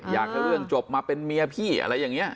อยากให้เรื่องจบมาเป็นเมียพี่อะไรอย่างนี้